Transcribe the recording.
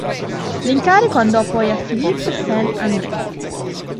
L'incarico andò poi a Philippe Saint-André.